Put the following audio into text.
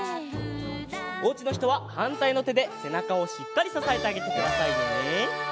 おうちのひとははんたいのてでせなかをしっかりささえてあげてくださいね。